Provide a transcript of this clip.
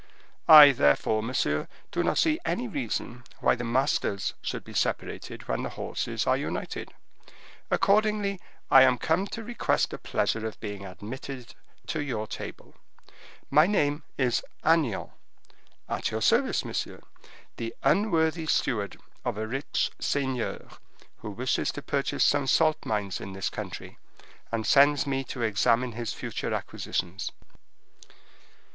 I therefore, monsieur, do not see any reason why the masters should be separated when the horses are united. Accordingly, I am come to request the pleasure of being admitted to your table. My name is Agnan, at your service, monsieur, the unworthy steward of a rich seigneur, who wishes to purchase some salt mines in this country, and sends me to examine his future acquisitions.